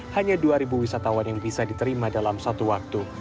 hanya dua wisatawan yang bisa diterima dalam satu waktu